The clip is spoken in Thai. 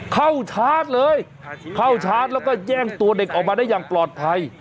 ชาร์จเลยเข้าชาร์จแล้วก็แย่งตัวเด็กออกมาได้อย่างปลอดภัย